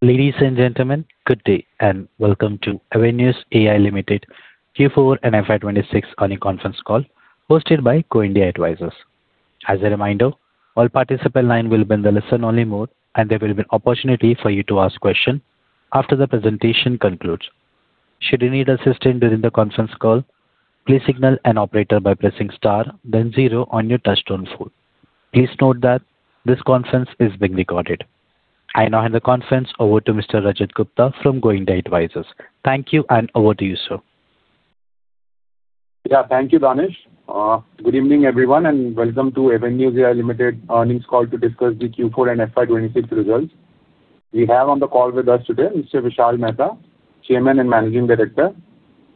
Ladies and gentlemen, good day and welcome to AvenuesAI Limited Q4 and FY 2026 earnings conference call hosted by Go India Advisors. As a reminder, all participant lines will be in the listen-only mode, and there will be opportunity for you to ask questions after the presentation concludes. Should you need assistance during the conference call, please signal an operator by pressing star then zero on your touch-tone phone. Please note that this conference is being recorded. I now hand the conference over to Mr. Rajat Gupta from Go India Advisors. Thank you, over to you, sir. Yeah. Thank you, Danish. Good evening, everyone, and welcome to AvenuesAI Limited earnings call to discuss the Q4 and FY 2026 results. We have on the call with us today Mr. Vishal Mehta, Chairman and Managing Director,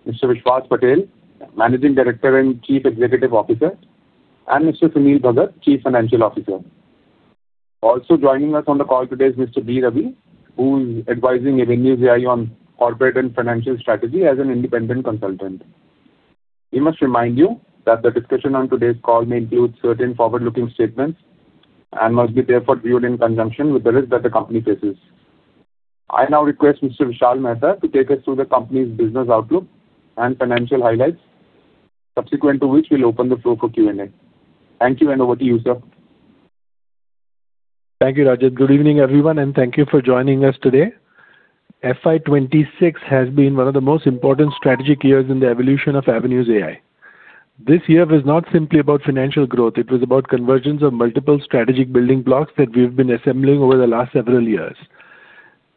Mr. Vishwas Patel, Managing Director and Chief Executive Officer, and Mr. Sunil Bhagat, Chief Financial Officer. Also joining us on the call today is Mr. B. Ravi, who is advising AvenuesAI on corporate and financial strategy as an Independent Consultant. We must remind you that the discussion on today's call may include certain forward-looking statements and must be therefore viewed in conjunction with the risk that the company faces. I now request Mr. Vishal Mehta to take us through the company's business outlook and financial highlights, subsequent to which we'll open the floor for Q&A. Thank you, and over to you, sir. Thank you, Rajat. Good evening, everyone, and thank you for joining us today. FY 2026 has been one of the most important strategic years in the evolution of AvenuesAI. This year was not simply about financial growth. It was about convergence of multiple strategic building blocks that we've been assembling over the last several years.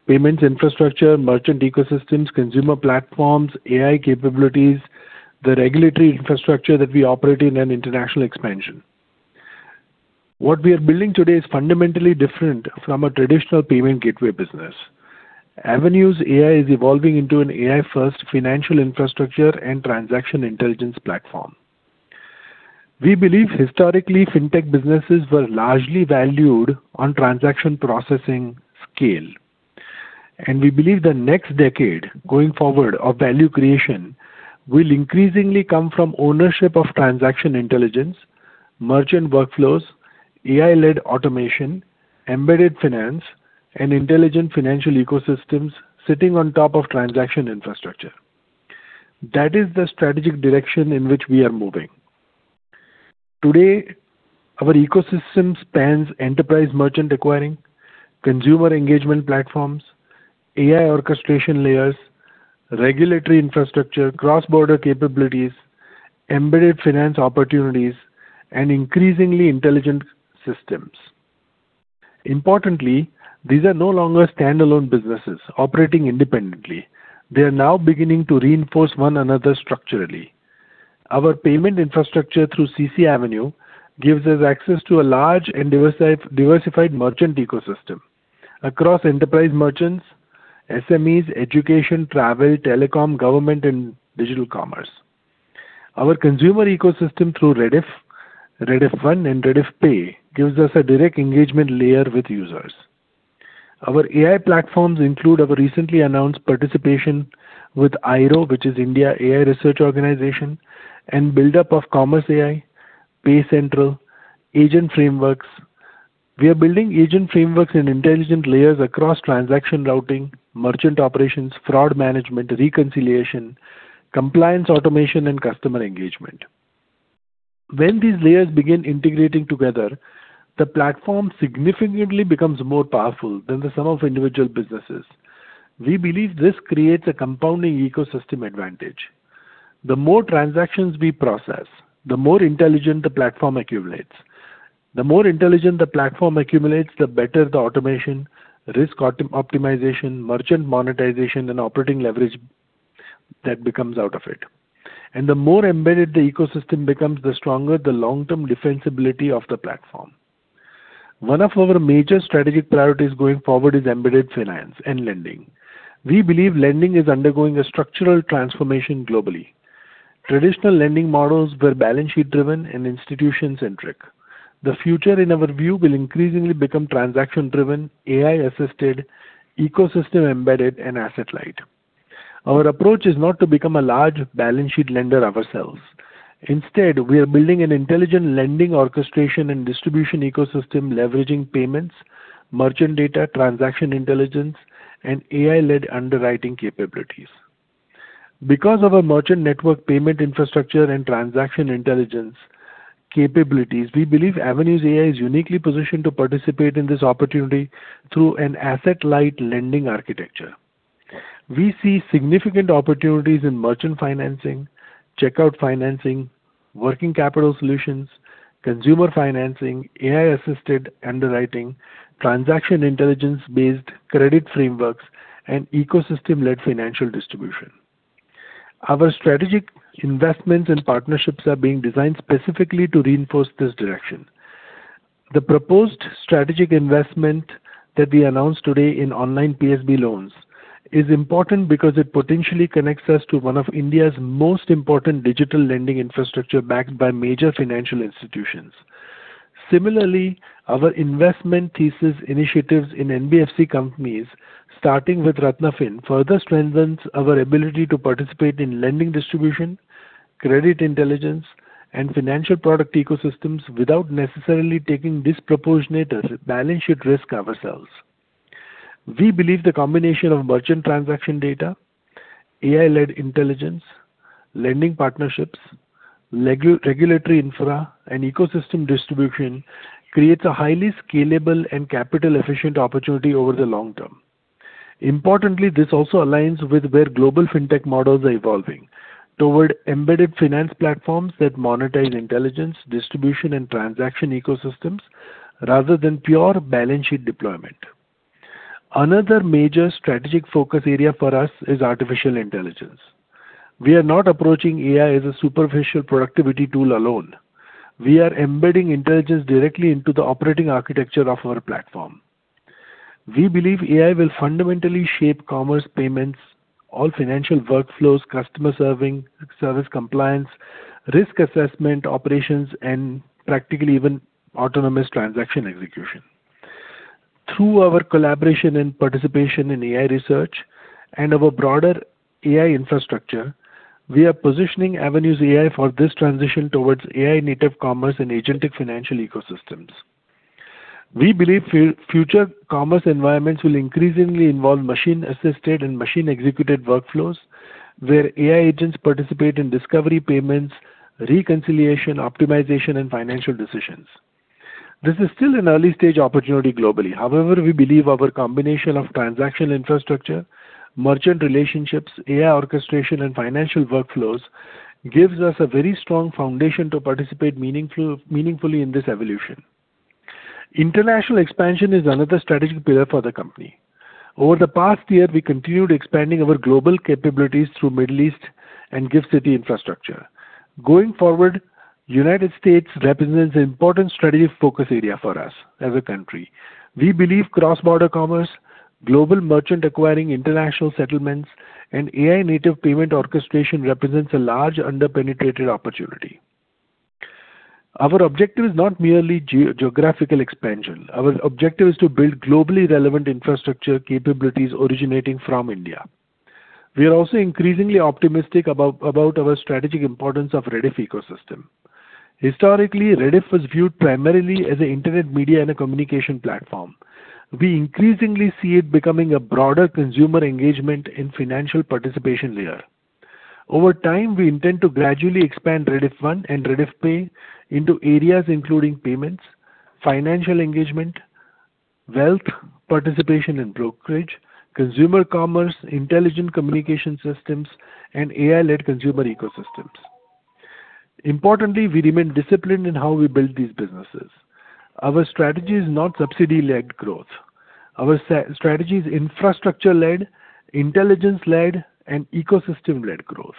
Payments infrastructure, merchant ecosystems, consumer platforms, AI capabilities, the regulatory infrastructure that we operate in, and international expansion. What we are building today is fundamentally different from a traditional payment gateway business. AvenuesAI is evolving into an AI-first financial infrastructure and transaction intelligence platform. We believe historically, fintech businesses were largely valued on transaction processing scale. We believe the next decade, going forward, of value creation will increasingly come from ownership of transaction intelligence, merchant workflows, AI-led automation, embedded finance, and intelligent financial ecosystems sitting on top of transaction infrastructure. That is the strategic direction in which we are moving. Today, our ecosystem spans enterprise merchant acquiring, consumer engagement platforms, AI orchestration layers, regulatory infrastructure, cross-border capabilities, embedded finance opportunities, and increasingly intelligent systems. Importantly, these are no longer standalone businesses operating independently. They are now beginning to reinforce one another structurally. Our payment infrastructure through CCAvenue gives us access to a large and diversified merchant ecosystem across enterprise merchants, SMEs, education, travel, telecom, government, and digital commerce. Our consumer ecosystem through Rediff, Rediff One, and Rediff Pay gives us a direct engagement layer with users. Our AI platforms include our recently announced participation with AIRO, which is India AI Research Organization, and buildup of CommerceAI, PayCentral, agent frameworks. We are building agent frameworks and intelligent layers across transaction routing, merchant operations, fraud management, reconciliation, compliance automation, and customer engagement. When these layers begin integrating together, the platform significantly becomes more powerful than the sum of individual businesses. We believe this creates a compounding ecosystem advantage. The more transactions we process, the more intelligent the platform accumulates. The more intelligent the platform accumulates, the better the automation, risk optimization, merchant monetization, and operating leverage that becomes out of it. The more embedded the ecosystem becomes, the stronger the long-term defensibility of the platform. One of our major strategic priorities going forward is embedded finance and lending. We believe lending is undergoing a structural transformation globally. Traditional lending models were balance sheet-driven and institution-centric. The future, in our view, will increasingly become transaction-driven, AI-assisted, ecosystem-embedded, and asset-light. Our approach is not to become a large balance sheet lender ourselves. Instead, we are building an intelligent lending orchestration and distribution ecosystem leveraging payments, merchant data, transaction intelligence, and AI-led underwriting capabilities. Because of our merchant network payment infrastructure and transaction intelligence capabilities, we believe AvenuesAI is uniquely positioned to participate in this opportunity through an asset-light lending architecture. We see significant opportunities in merchant financing, checkout financing, working capital solutions, consumer financing, AI-assisted underwriting, transaction intelligence-based, credit frameworks, and ecosystem-led financial distribution. Our strategic investments and partnerships are being designed specifically to reinforce this direction. The proposed strategic investment that we announced today in Online PSB Loans is important because it potentially connects us to one of India's most important digital lending infrastructure backed by major financial institutions. Similarly, our investment thesis initiatives in NBFC companies, starting with Ratnaafin, further strengthens our ability to participate in lending distribution. Credit intelligence and financial product ecosystems without necessarily taking disproportionate or balance sheet risk ourselves. We believe the combination of merchant transaction data, AI-led intelligence, lending partnerships, regulatory infra and ecosystem distribution creates a highly scalable and capital-efficient opportunity over the long term. Importantly, this also aligns with where global fintech models are evolving toward embedded finance platforms that monetize intelligence, distribution, and transaction ecosystems rather than pure balance sheet deployment. Another major strategic focus area for us is artificial intelligence. We are not approaching AI as a superficial productivity tool alone. We are embedding intelligence directly into the operating architecture of our platform. We believe AI will fundamentally shape commerce payments, all financial workflows, customer serving, service compliance, risk assessment operations, and practically even autonomous transaction execution. Through our collaboration and participation in AI research and our broader AI infrastructure, we are positioning AvenuesAI for this transition towards AI-native commerce and agentic financial ecosystems. We believe future commerce environments will increasingly involve machine-assisted and machine-executed workflows, where AI agents participate in discovery payments, reconciliation, optimization, and financial decisions. This is still an early-stage opportunity globally. However, we believe our combination of transaction infrastructure, merchant relationships, AI orchestration, and financial workflows gives us a very strong foundation to participate meaningfully in this evolution. International expansion is another strategic pillar for the company. Over the past year, we continued expanding our global capabilities through Middle East and GIFT City infrastructure. Going forward, United States represents an important strategic focus area for us as a country. We believe cross-border commerce, global merchant acquiring international settlements, and AI-native payment orchestration represents a large under-penetrated opportunity. Our objective is not merely geographical expansion. Our objective is to build globally relevant infrastructure capabilities originating from India. We are also increasingly optimistic about our strategic importance of Rediff ecosystem. Historically, Rediff was viewed primarily as an internet media and a communication platform. We increasingly see it becoming a broader consumer engagement and financial participation layer. Over time, we intend to gradually expand Rediff One and Rediff Pay into areas including payments, financial engagement, wealth participation and brokerage, consumer commerce, intelligent communication systems, and AI-led consumer ecosystems. Importantly, we remain disciplined in how we build these businesses. Our strategy is not subsidy-led growth. Our strategy is infrastructure-led, intelligence-led, and ecosystem-led growth.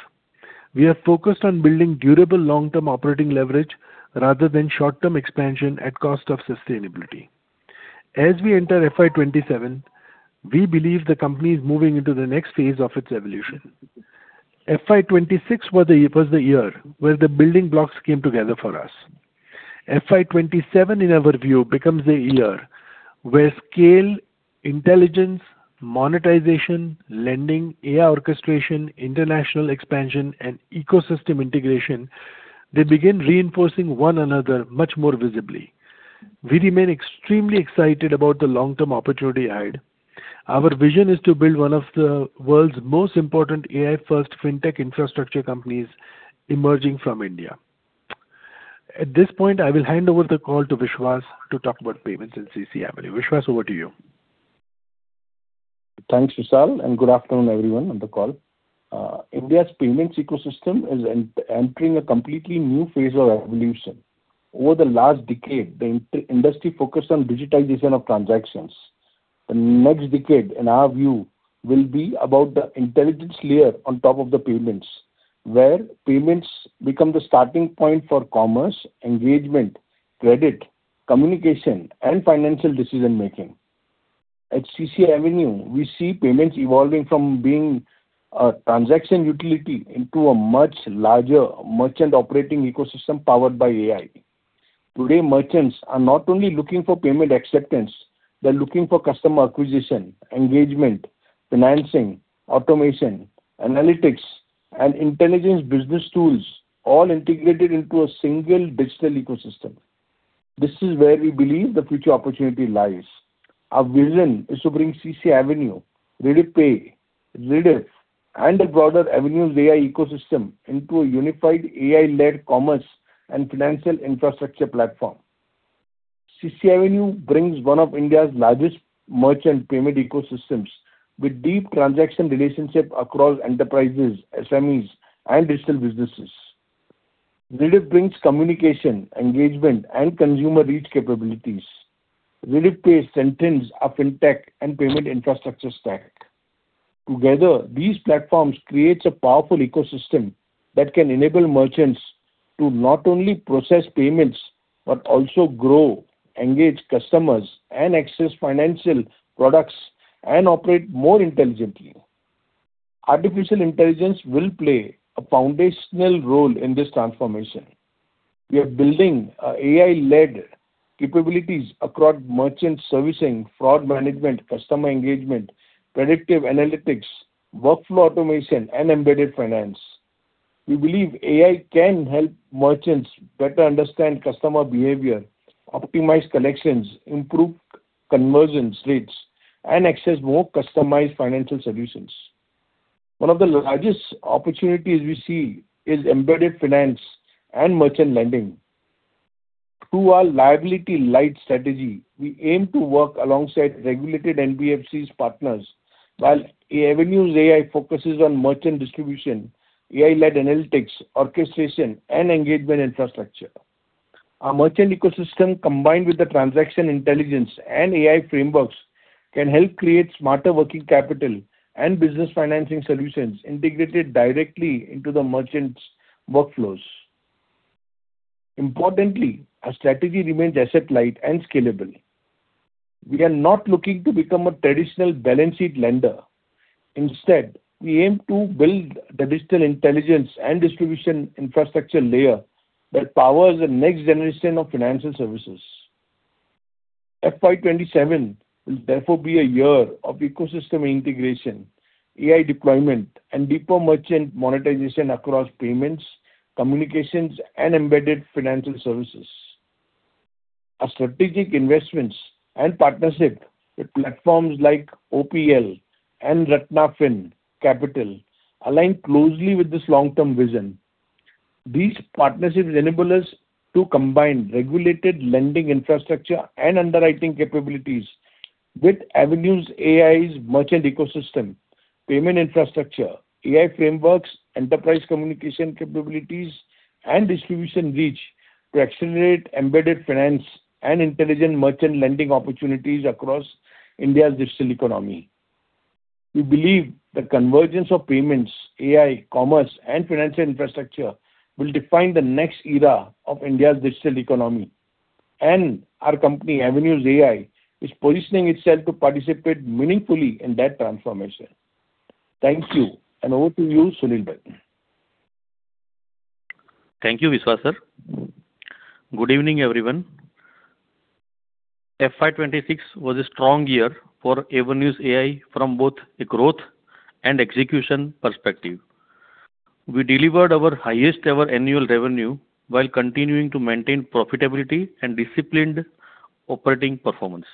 We are focused on building durable long-term operating leverage rather than short-term expansion at cost of sustainability. As we enter FY 2027, we believe the company is moving into the next phase of its evolution. FY 2026 was the year where the building blocks came together for us. FY 2027, in our view, becomes a year where scale, intelligence, monetization, lending, AI orchestration, international expansion, and ecosystem integration, they begin reinforcing one another much more visibly. We remain extremely excited about the long-term opportunity ahead. Our vision is to build one of the world's most important AI-first fintech infrastructure companies emerging from India. At this point, I will hand over the call to Vishwas to talk about payments in CCAvenue. Vishwas, over to you. Thanks, Vishal, good afternoon, everyone on the call. India's payments ecosystem is entering a completely new phase of evolution. Over the last decade, the industry focused on digitization of transactions. The next decade, in our view, will be about the intelligence layer on top of the payments, where payments become the starting point for commerce, engagement, credit, communication, and financial decision-making. At CCAvenue, we see payments evolving from being a transaction utility into a much larger merchant operating ecosystem powered by AI. Today, merchants are not only looking for payment acceptance, they're looking for customer acquisition, engagement, financing, automation, analytics, and intelligence business tools all integrated into a single digital ecosystem. This is where we believe the future opportunity lies. Our vision is to bring CCAvenue, Rediff Pay, Rediff, and a broader AvenuesAI ecosystem into a unified AI-led commerce and financial infrastructure platform. CCAvenue brings one of India's largest merchant payment ecosystems with deep transaction relationships across enterprises, SMEs, and digital businesses. Rediff brings communication, engagement, and consumer reach capabilities. Rediff Pay centers our fintech and payment infrastructure stack. Together, these platforms creates a powerful ecosystem that can enable merchants to not only process payments, but also grow, engage customers, and access financial products, and operate more intelligently. Artificial intelligence will play a foundational role in this transformation. We are building AI-led capabilities across merchant servicing, fraud management, customer engagement, predictive analytics, workflow automation, and embedded finance. We believe AI can help merchants better understand customer behavior, optimize collections, improve conversion rates, and access more customized financial solutions. One of the largest opportunities we see is embedded finance and merchant lending. Through our liability-light strategy, we aim to work alongside regulated NBFCs partners, while AvenuesAI focuses on merchant distribution, AI-led analytics, orchestration, and engagement infrastructure. Our merchant ecosystem, combined with the transaction intelligence and AI frameworks, can help create smarter working capital and business financing solutions integrated directly into the merchants' workflows. Importantly, our strategy remains asset-light and scalable. We are not looking to become a traditional balance sheet lender. Instead, we aim to build the digital intelligence and distribution infrastructure layer that powers the next generation of financial services. FY 2027 will therefore be a year of ecosystem integration, AI deployment, and deeper merchant monetization across payments, communications, and embedded financial services. Our strategic investments and partnership with platforms like OPL and Ratnaafin Capital align closely with this long-term vision. These partnerships enable us to combine regulated lending infrastructure and underwriting capabilities with AvenuesAI's merchant ecosystem, payment infrastructure, AI frameworks, enterprise communication capabilities, and distribution reach to accelerate embedded finance and intelligent merchant lending opportunities across India's digital economy. We believe the convergence of payments, AI, commerce, and financial infrastructure will define the next era of India's digital economy. Our company, AvenuesAI, is positioning itself to participate meaningfully in that transformation. Thank you, and over to you, Sunil Bhagat. Thank you, Vishwas, sir. Good evening, everyone. FY 2026 was a strong year for AvenuesAI from both a growth and execution perspective. We delivered our highest-ever annual revenue while continuing to maintain profitability and disciplined operating performance.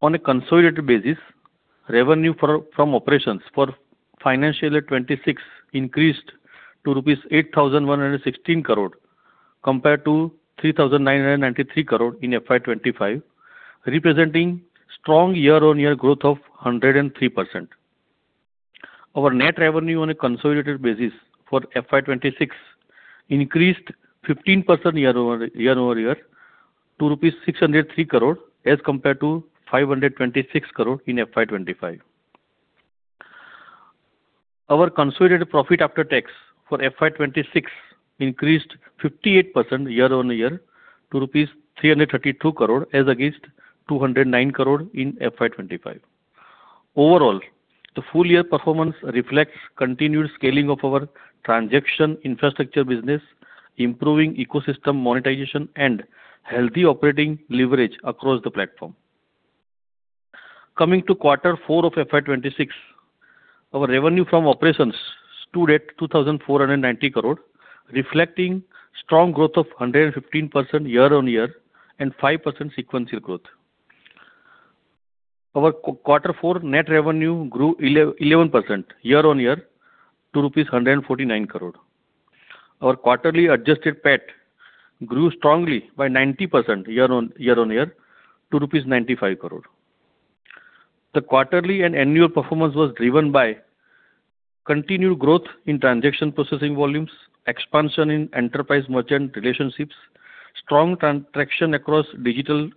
On a consolidated basis, revenue from operations for financial year 2026 increased to rupees 8,116 crore compared to 3,993 crore in FY 2025, representing strong year-on-year growth of 103%. Our net revenue on a consolidated basis for FY 2026 increased 15% year-over-year to rupees 603 crore as compared to 526 crore in FY 2025. Our consolidated profit after tax for FY 2026 increased 58% year-on-year to INR 332 crore as against INR 209 crore in FY 2025. Overall, the full-year performance reflects continued scaling of our transaction infrastructure business, improving ecosystem monetization, and healthy operating leverage across the platform. Coming to Quarter four of FY 2026. Our revenue from operations stood at 2,490 crore, reflecting strong growth of 115% year-on-year and 5% sequential growth. Our Quarter four net revenue grew 11% year-on-year to INR 149 crore. Our quarterly adjusted PAT grew strongly by 90% year-on-year to rupees 95 crore. The quarterly and annual performance was driven by continued growth in transaction processing volumes, expansion in enterprise merchant relationships, strong transaction across digital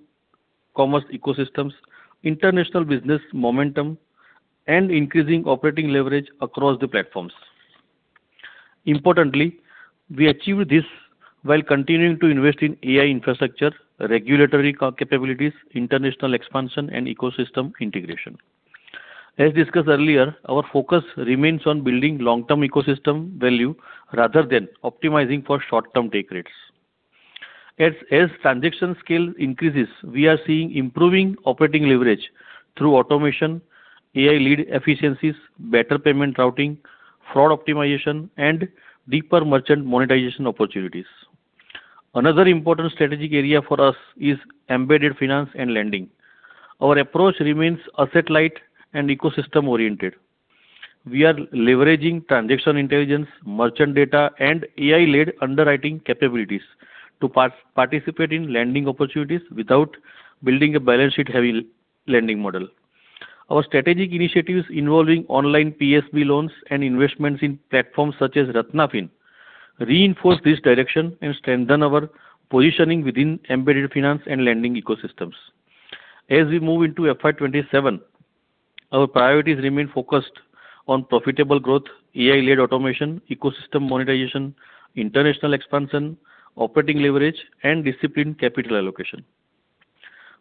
commerce ecosystems, international business momentum, and increasing operating leverage across the platforms. Importantly, we achieved this while continuing to invest in AI infrastructure, regulatory capabilities, international expansion, and ecosystem integration. As discussed earlier, our focus remains on building long-term ecosystem value rather than optimizing for short-term take rates. As transaction scale increases, we are seeing improving operating leverage through automation, AI-led efficiencies, better payment routing, fraud optimization, and deeper merchant monetization opportunities. Another important strategic area for us is embedded finance and lending. Our approach remains asset-light and ecosystem-oriented. We are leveraging transaction intelligence, merchant data, and AI-led underwriting capabilities to participate in lending opportunities without building a balance sheet-heavy lending model. Our strategic initiatives involving Online PSB Loans and investments in platforms such as Ratnaafin reinforce this direction and strengthen our positioning within embedded finance and lending ecosystems. As we move into FY 2027, our priorities remain focused on profitable growth, AI-led automation, ecosystem monetization, international expansion, operating leverage, and disciplined capital allocation.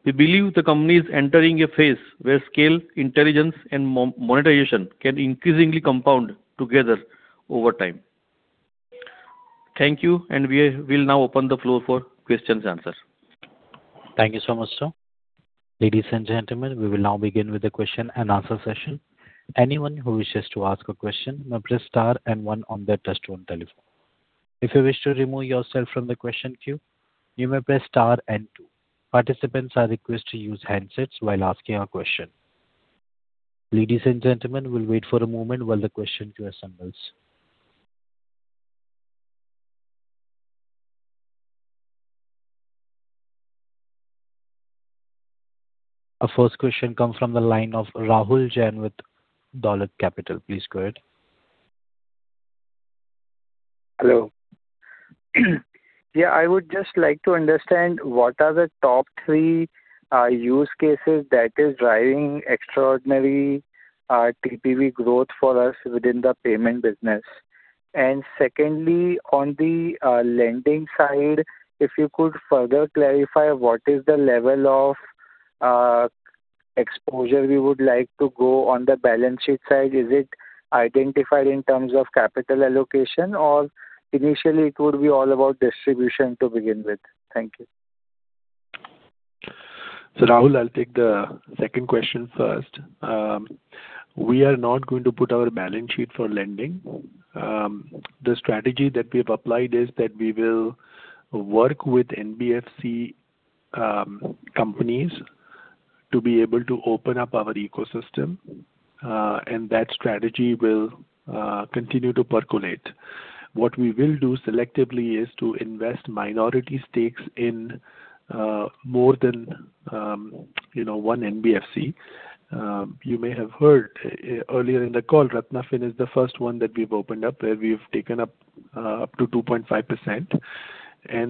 We believe the company is entering a phase where scale, intelligence, and monetization can increasingly compound together over time. Thank you. We will now open the floor for questions and answers. Thank you so much, sir. Ladies and gentlemen, we will now begin with the question and answer session. Anyone who wishes to ask a question may press star and one on the touch tone telephone. If you wish to remove yourself from the question queue, you may press star and two. Participants are requested to use hansets while asking a question. Ladies and gentlemen, we will wait for a moment while the question queue assembles. Our first question comes from the line of Rahul Jain with Dolat Capital. Please go ahead. Hello. I would just like to understand what are the top three use cases that are driving extraordinary TPV growth for us within the payment business. Secondly, on the lending side, if you could further clarify what is the level of exposure we would like to go on the balance sheet side. Is it identified in terms of capital allocation, or initially could be all about distribution to begin with? Thank you. Rahul, I'll take the second question first. We are not going to put our balance sheet for lending. The strategy that we have applied is that we will work with NBFC companies to be able to open up our ecosystem, and that strategy will continue to percolate. What we will do selectively is to invest minority stakes in more than one NBFC. You may have heard earlier in the call, Ratnaafin is the first one that we've opened up, where we've taken up to 2.5%.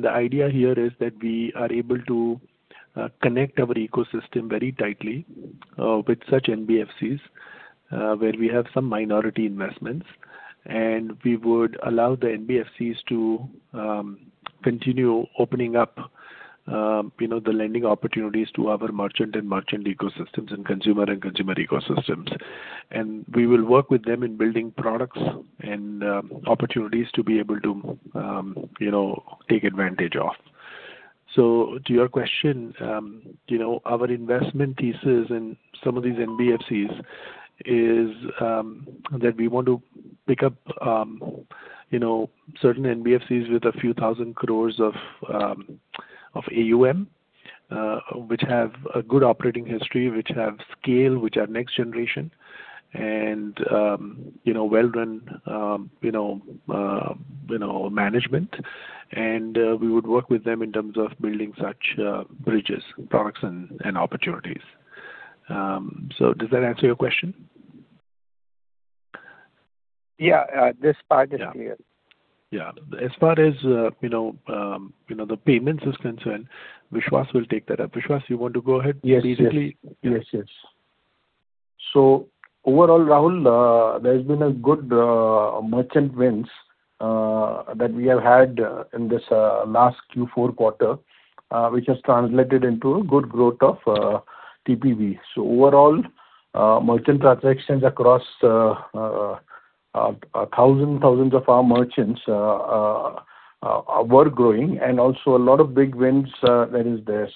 The idea here is that we are able to connect our ecosystem very tightly with such NBFCs, where we have some minority investments. We would allow the NBFCs to continue opening up the lending opportunities to our merchant and merchant ecosystems and consumer and consumer ecosystems. We will work with them in building products and opportunities to be able to take advantage of. To your question, our investment thesis in some of these NBFCs is that we want to pick up certain NBFCs with a few thousand crores of AUM, which have a good operating history, which have scale, which are next generation, and well-run management. We would work with them in terms of building such bridges, products, and opportunities. Does that answer your question? Yeah. This part is clear. Yeah. As far as the payments is concerned, Vishwas will take that up. Vishwas, you want to go ahead? Yes. Overall, Rahul, there's been a good merchant wins that we have had in this last Q4 quarter, which has translated into good growth of TPV. Overall, merchant transactions across thousands and thousands of our merchants were growing and also a lot of big wins that is there.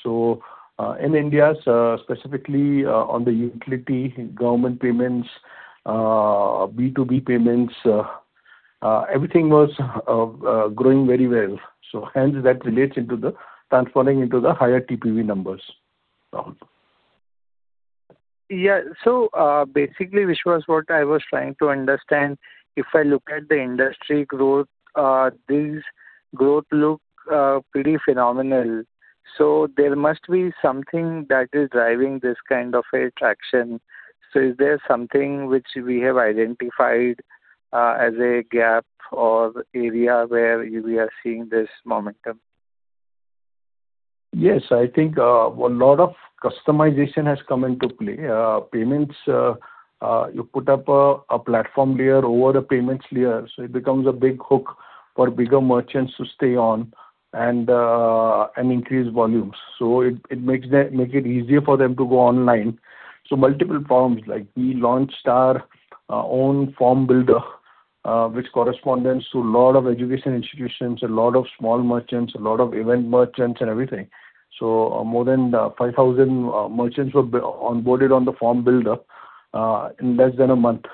In India, specifically, on the utility government payments, B2B payments, everything was growing very well. Hence that relates into the transforming into the higher TPV numbers, Rahul. Basically, Vishwas, what I was trying to understand, if I look at the industry growth, this growth looks pretty phenomenal. There must be something that is driving this kind of a traction. Is there something which we have identified as a gap or area where we are seeing this momentum? Yes. I think a lot of customization has come into play. Payments, you put up a platform layer over a payments layer, so it becomes a big hook for bigger merchants to stay on and increase volumes. It makes it easier for them to go online. Multiple problems, like we launched our own form builder, which corresponds to a lot of education institutions, a lot of small merchants, a lot of event merchants, and everything. More than 5,000 merchants were onboarded on the form builder in less than a month.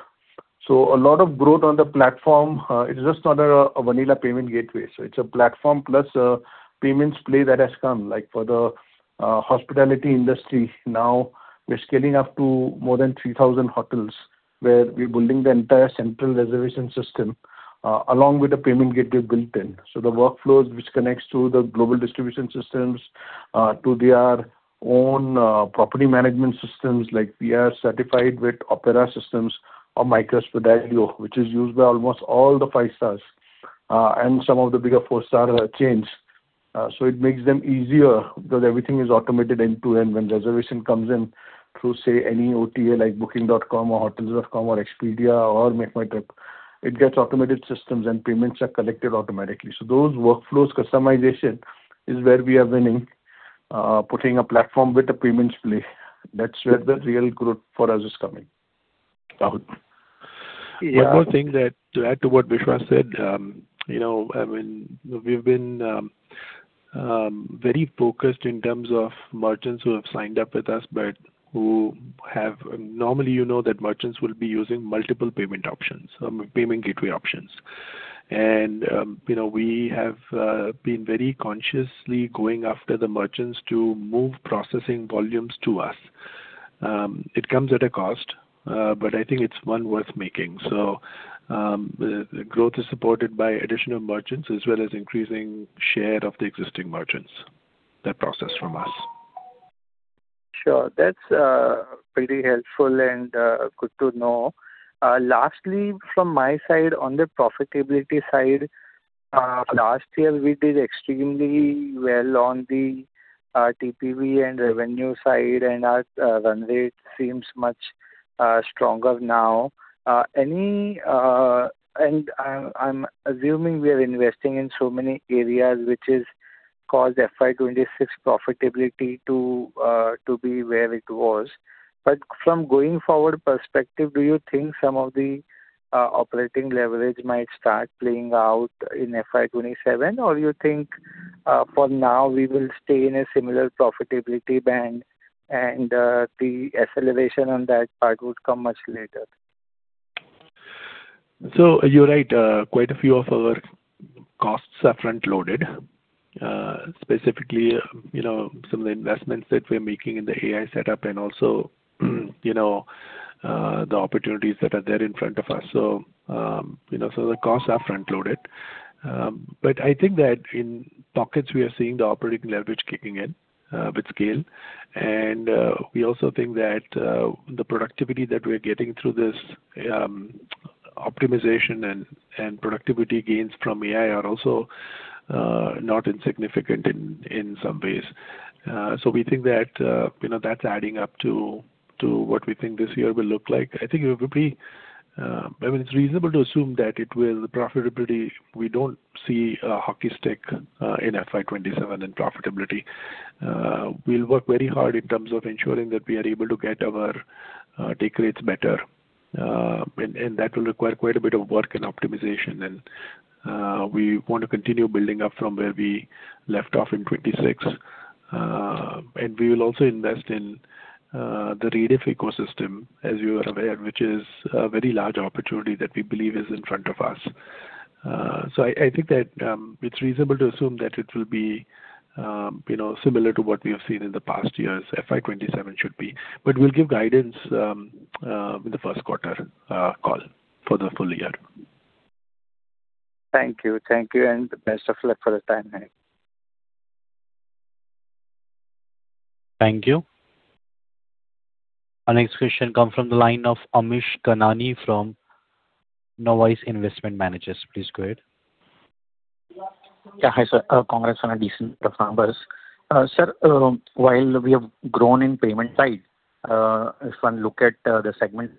A lot of growth on the platform. It's just not a vanilla payment gateway. It's a platform plus a payments play that has come. Like for the hospitality industry now, we're scaling up to more than 3,000 hotels where we're building the entire central reservation system along with the payment gateway built in. The workflows which connects to the global distribution systems, to their own property management systems. Like we are certified with OPERA systems or MICROS-Fidelio, which is used by almost all the five-stars, and some of the bigger four-star chains. It makes them easier because everything is automated end-to-end when reservation comes in through, say, any OTA like Booking.com or Hotels.com or Expedia or MakeMyTrip. It gets automated systems and payments are collected automatically. Those workflows customization is where we are winning, putting a platform with the payments play. That's where the real growth for us is coming, Rahul. Yeah. One more thing to add to what Vishwas said, we've been very focused in terms of merchants who have signed up with us, but who Normally, you know that merchants will be using multiple payment gateway options. We have been very consciously going after the merchants to move processing volumes to us. It comes at a cost, but I think it's one worth making. The growth is supported by additional merchants as well as increasing share of the existing merchants that process from us. Sure. That's pretty helpful and good to know. Lastly, from my side, on the profitability side, last year we did extremely well on the TPV and revenue side, and our run rate seems much stronger now. I'm assuming we are investing in so many areas, which has caused FY 2026 profitability to be where it was. From going forward perspective, do you think some of the operating leverage might start playing out in FY 2027? You think, for now, we will stay in a similar profitability band and the acceleration on that part would come much later? You're right. Quite a few of our costs are front-loaded. Specifically, some of the investments that we're making in the AI setup and also the opportunities that are there in front of us. The costs are front-loaded. I think that in pockets, we are seeing the operating leverage kicking in with scale. We also think that the productivity that we're getting through this optimization and productivity gains from AI are also not insignificant in some ways. We think that's adding up to what we think this year will look like. I think It's reasonable to assume that profitability, we don't see a hockey stick in FY 2027 in profitability. We'll work very hard in terms of ensuring that we are able to get our take rates better. That will require quite a bit of work and optimization. We want to continue building up from where we left off in 2026. We will also invest in the Rediff ecosystem, as you are aware, which is a very large opportunity that we believe is in front of us. I think that it's reasonable to assume that it will be similar to what we have seen in the past years, FY 2027 should be. We'll give guidance in the first quarter call for the full year. Thank you. Thank you, and best of luck for the time being. Thank you. Our next question come from the line of Amish Ganani from Knowise Investment Managers. Please go ahead. Yeah. Hi, sir. Congrats on your decent performance. Sir, while we have grown in payment side, if one look at the segment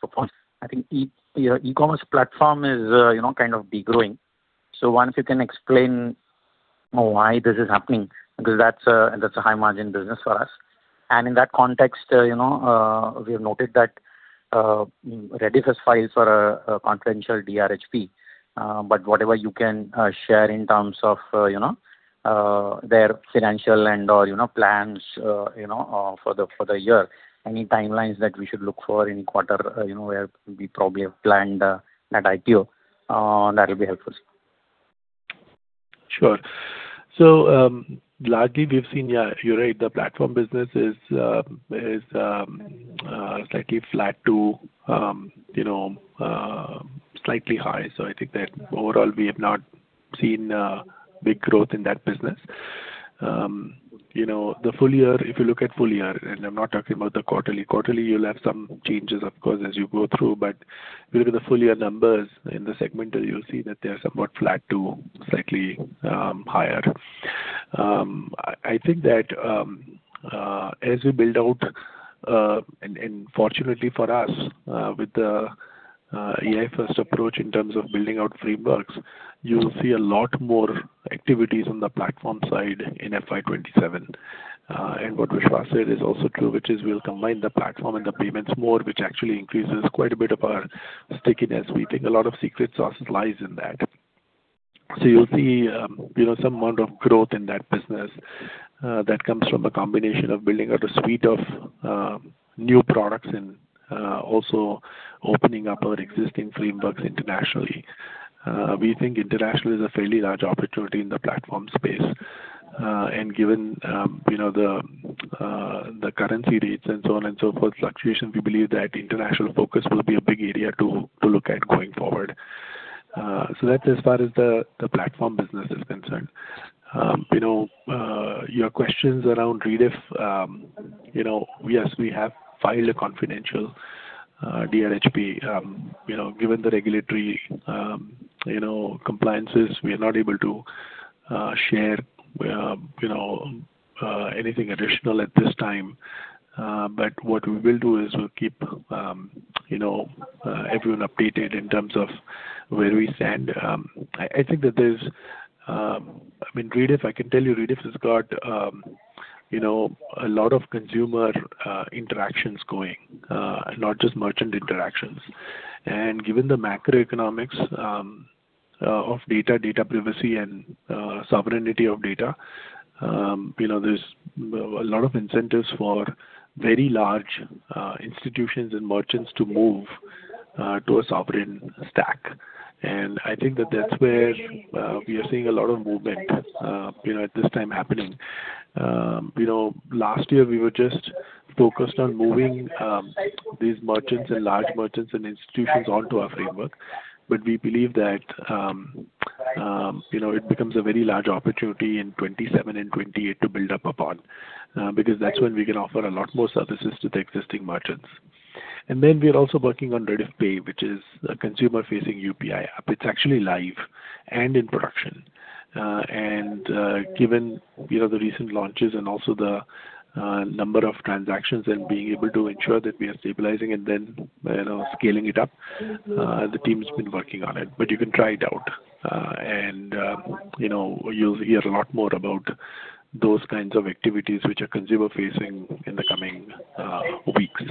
performance, I think your e-commerce platform is de-growing. If you can explain why this is happening, because that's a high margin business for us. In that context, we have noted that Rediff has filed for a confidential DRHP. Whatever you can share in terms of their financial and/or plans for the year. Any timelines that we should look for in quarter where we probably have planned that IPO, that'll be helpful, sir. Sure. Largely, we've seen, yeah, you're right. The platform business is slightly flat to slightly high. I think that overall, we have not seen a big growth in that business. The full year, if you look at full year, and I'm not talking about the quarterly. Quarterly, you'll have some changes, of course, as you go through. If you look at the full year numbers in the segment, you'll see that they're somewhat flat to slightly higher. I think that as we build out, and fortunately for us, with the AI-first approach in terms of building out frameworks, you'll see a lot more activities on the platform side in FY 2027. What Vishwas said is also true, which is we'll combine the platform and the payments more, which actually increases quite a bit of our stickiness. We think a lot of secret sauce lies in that. You'll see some amount of growth in that business that comes from a combination of building out a suite of new products and also opening up our existing frameworks internationally. We think international is a fairly large opportunity in the platform space. Given the currency rates and so on and so forth fluctuations, we believe that international focus will be a big area to look at going forward. That's as far as the platform business is concerned. Your questions around Rediff, yes, we have filed a confidential DRHP. Given the regulatory compliances, we are not able to share anything additional at this time. What we will do is we'll keep everyone updated in terms of where we stand. I think that Rediff, I can tell you, Rediff has got a lot of consumer interactions going, not just merchant interactions. Given the macroeconomics of data privacy, and sovereignty of data, there's a lot of incentives for very large institutions and merchants to move to a sovereign stack. I think that that's where we are seeing a lot of movement at this time happening. Last year, we were just focused on moving these merchants and large merchants and institutions onto our framework. We believe that it becomes a very large opportunity in 2027 and 2028 to build up upon, because that's when we can offer a lot more services to the existing merchants. Then we are also working on Rediff Pay, which is a consumer-facing UPI app. It's actually live and in production. Given the recent launches and also the number of transactions and being able to ensure that we are stabilizing and then scaling it up, the team's been working on it, but you can try it out. You'll hear a lot more about those kinds of activities which are consumer-facing in the coming weeks.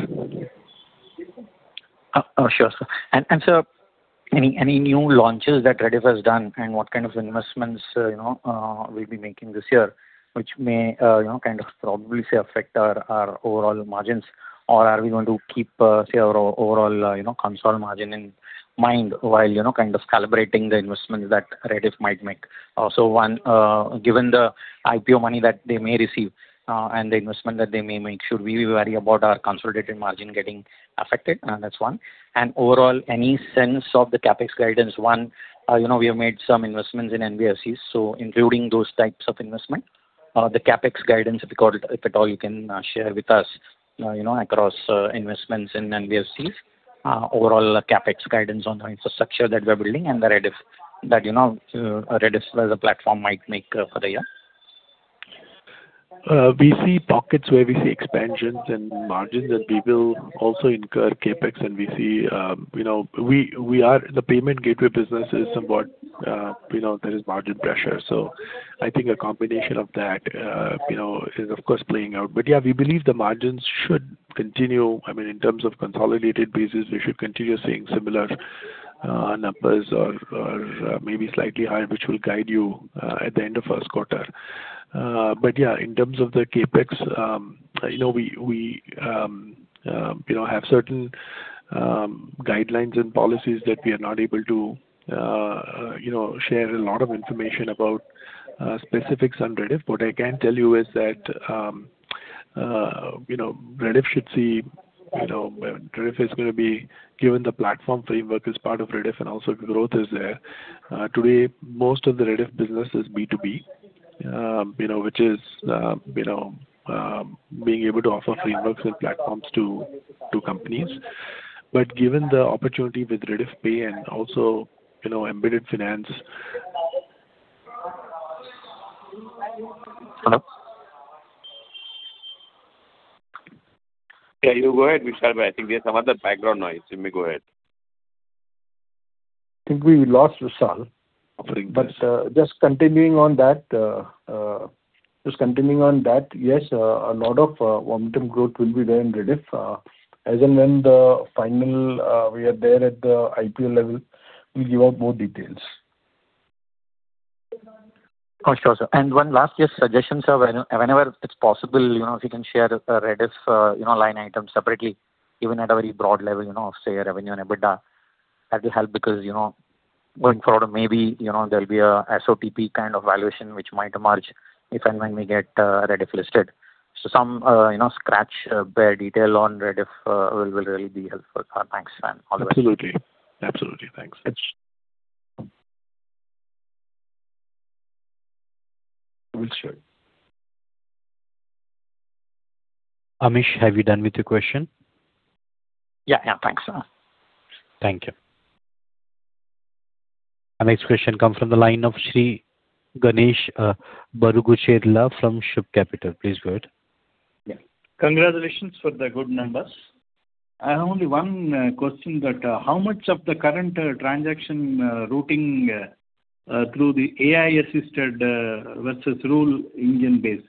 Sure, sir. Sir, any new launches that Rediff has done and what kind of investments we'll be making this year, which may, kind of, probably say, affect our overall margins? Are we going to keep, say, our overall consolidated margin in mind while kind of calibrating the investments that Rediff might make? One, given the IPO money that they may receive and the investment that they may make, should we worry about our consolidated margin getting affected? That's one. Overall, any sense of the CapEx guidance, one, we have made some investments in NBFCs, so including those types of investment, the CapEx guidance, if at all you can share with us, across investments in NBFCs, overall CapEx guidance on the infrastructure that we're building and that Rediff as a platform might make for the year. We see pockets where we see expansions and margins, and we will also incur CapEx. The payment gateway business is somewhat. There is margin pressure. I think a combination of that is, of course, playing out. Yeah, we believe the margins should continue, in terms of consolidated basis, we should continue seeing similar numbers or maybe slightly higher, which we'll guide you at the end of first quarter. Yeah, in terms of the CapEx, we have certain guidelines and policies that we are not able to share a lot of information about specifics on Rediff. What I can tell you is that Rediff is going to be given the platform framework as part of Rediff and also growth is there. Today, most of the Rediff business is B2B, which is being able to offer frameworks and platforms to companies. Given the opportunity with Rediff Pay and also embedded finance. Yeah, you go ahead, Vishal. I think there's some other background noise. You may go ahead. I think we lost Vishal. I think, yes. Just continuing on that, yes, a lot of momentum growth will be there in Rediff. As and when we are there at the IPO level, we'll give out more details. Oh, sure, sir. One last just suggestion, sir. Whenever it's possible, if you can share Rediff line item separately, even at a very broad level, of, say, revenue and EBITDA, that will help because going forward, maybe, there'll be a SOTP kind of valuation, which might merge if and when we get Rediff.com listed. Some scratch bare detail on Rediff will really be helpful. Thanks and all the best. Absolutely. Absolutely. Thanks. We'll share. Amish, have you done with your question? Yeah. Thanks, sir. Thank you. Our next question come from the line of Shri Ganesh Barugcherla from Shub Capital. Please go ahead. Yeah. Congratulations for the good numbers. I have only one question that how much of the current transaction routing through the AI-assisted versus rule engine-based?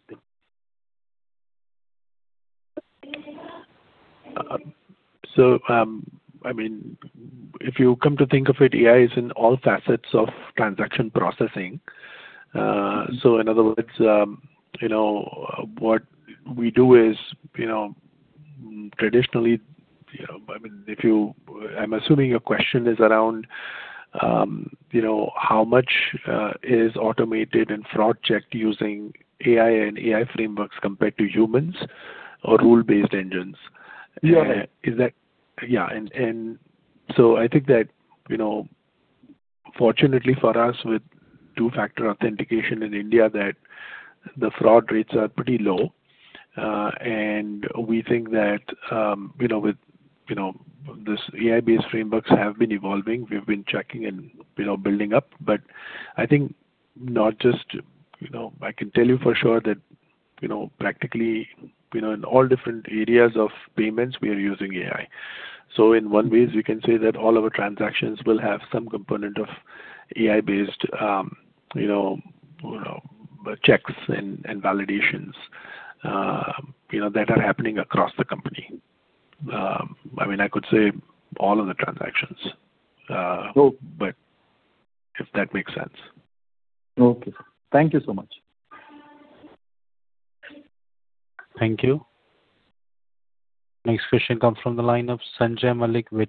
If you come to think of it, AI is in all facets of transaction processing. In other words, what we do is traditionally I'm assuming your question is around how much is automated and fraud checked using AI and AI frameworks compared to humans or rule-based engines. Yeah. Yeah. I think that, fortunately for us, with two-factor authentication in India, the fraud rates are pretty low. We think that these AI-based frameworks have been evolving. We've been checking and building up. I can tell you for sure that practically, in all different areas of payments, we are using AI. In one way, we can say that all our transactions will have some component of AI-based checks and validations that are happening across the company. Okay. If that makes sense. Okay. Thank you so much. Thank you. Next question comes from the line of Sanjay Malik with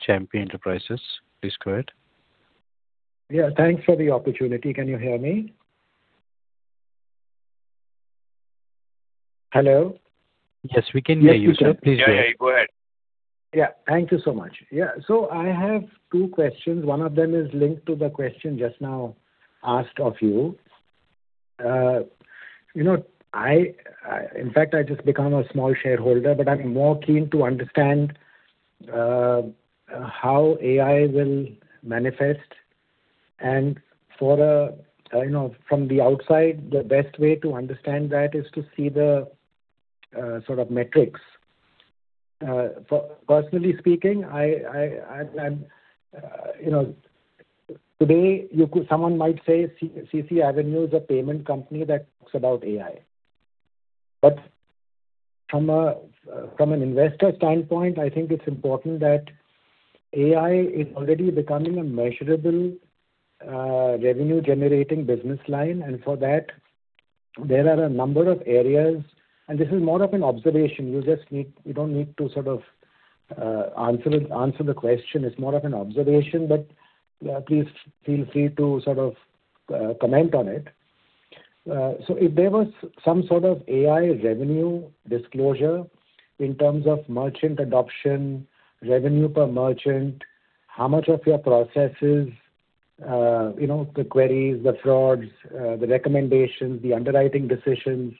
Champion Enterprises. Please go ahead. Yeah. Thanks for the opportunity. Can you hear me? Hello? Yes, we can hear you, sir. Yes, we can. Please go ahead. Yeah, go ahead. Thank you so much. I have two questions. One of them is linked to the question just now asked of you. In fact, I just become a small shareholder, but I am more keen to understand how AI will manifest. From the outside, the best way to understand that is to see the sort of metrics. Personally speaking, today, someone might say CCAvenue is a payment company that talks about AI. From an investor standpoint, I think it is important that AI is already becoming a measurable, revenue-generating business line, and for that, there are a number of areas. This is more of an observation. You do not need to answer the question. It is more of an observation, but please feel free to comment on it. If there was some sort of AI revenue disclosure in terms of merchant adoption, revenue per merchant, how much of your processes, the queries, the frauds, the recommendations, the underwriting decisions,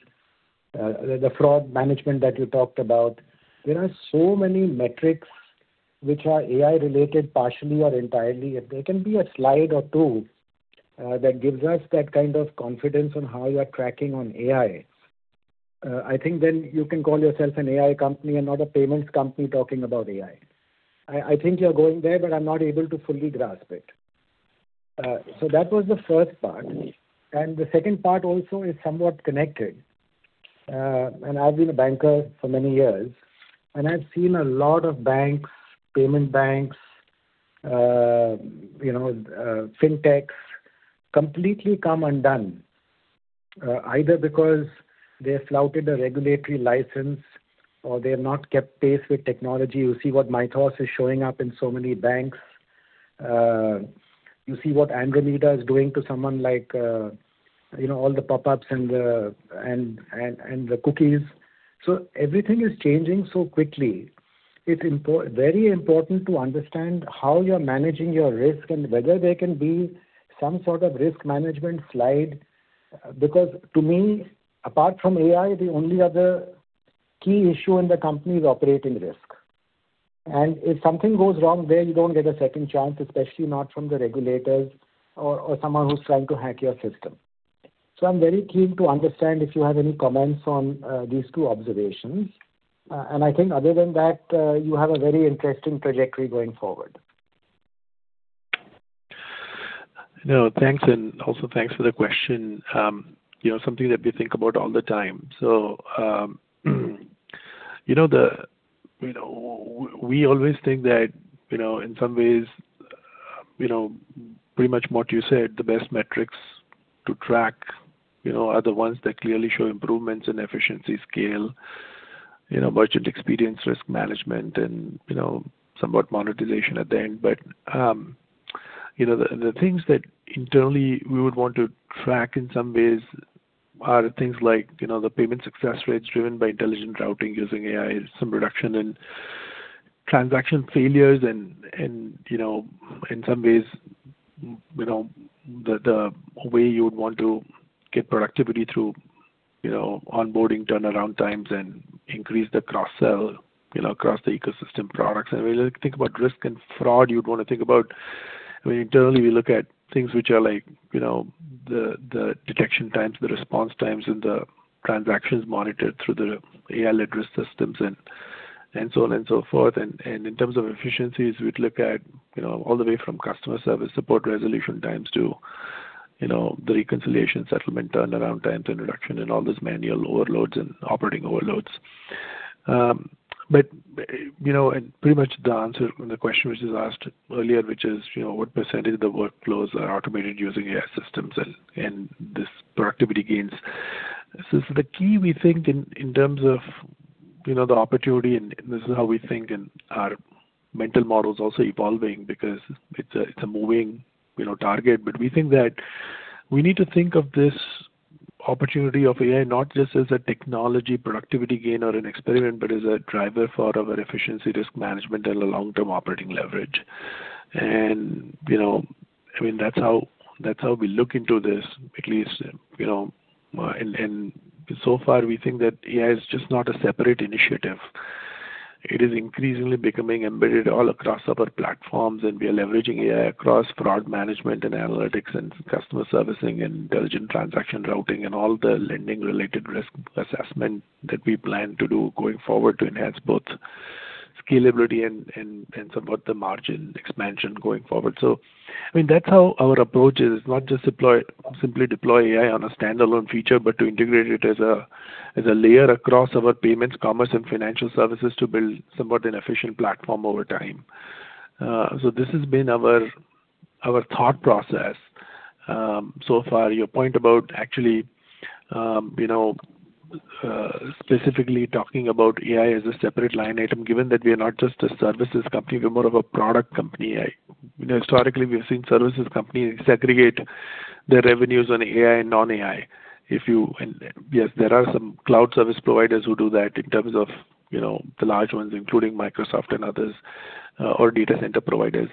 the fraud management that you talked about. There are so many metrics which are AI-related, partially or entirely. If there can be a slide or two that gives us that kind of confidence on how you are tracking on AI, I think then you can call yourself an AI company and not a payments company talking about AI. I think you're going there, but I'm not able to fully grasp it. That was the first part, and the second part also is somewhat connected. I've been a banker for many years, and I've seen a lot of banks, payment banks, fintechs, completely come undone. Either because they flouted a regulatory license or they have not kept pace with technology. You see what Mytos is showing up in so many banks. You see what Andromeda is doing to someone, like, all the pop-ups and the cookies. Everything is changing so quickly. It's very important to understand how you're managing your risk and whether there can be some sort of risk management slide. Because to me, apart from AI, the only other key issue in the company is operating risk. And if something goes wrong there, you don't get a second chance, especially not from the regulators or someone who's trying to hack your system. I'm very keen to understand if you have any comments on these two observations. I think other than that, you have a very interesting trajectory going forward. Thanks, also thanks for the question. Something that we think about all the time. We always think that in some ways, pretty much what you said, the best metrics to track are the ones that clearly show improvements in efficiency, scale, merchant experience, risk management, and somewhat monetization at the end. The things that internally we would want to track in some ways are the things like the payment success rates driven by intelligent routing using AI, some reduction in transaction failures and, in some ways, the way you would want to get productivity through onboarding turnaround times and increase the cross-sell across the ecosystem products. When you think about risk and fraud, you'd want to think about, internally, we look at things which are like the detection times, the response times, and the transactions monitored through the AI-led risk systems and so on and so forth. In terms of efficiencies, we'd look at all the way from customer service, support resolution times to the reconciliation settlement turnaround times introduction and all those manual overloads and operating overloads. Pretty much the answer from the question which was asked earlier, which is, what percentage of the workflows are automated using AI systems and these productivity gains. The key, we think, in terms of the opportunity, and this is how we think and our mental model is also evolving because it's a moving target. We think that we need to think of this opportunity of AI not just as a technology productivity gain or an experiment, but as a driver for our efficiency, risk management, and a long-term operating leverage. That's how we look into this, at least. So far, we think that AI is just not a separate initiative. It is increasingly becoming embedded all across our platforms, and we are leveraging AI across fraud management and analytics and customer servicing and intelligent transaction routing and all the lending-related risk assessment that we plan to do going forward to enhance both scalability and support the margin expansion going forward. That's how our approach is, not just simply deploy AI on a standalone feature, but to integrate it as a layer across our payments, commerce, and financial services to build somewhat an efficient platform over time. This has been our thought process so far. Your point about actually specifically talking about AI as a separate line item, given that we are not just a services company, we are more of a product company. Historically, we have seen services companies segregate their revenues on AI and non-AI. Yes, there are some cloud service providers who do that in terms of the large ones, including Microsoft and others, or data center providers.